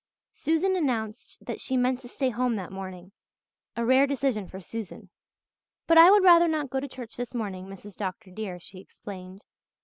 Susan announced that she meant to stay home that morning a rare decision for Susan. "But I would rather not go to church this morning, Mrs. Dr. dear," she explained.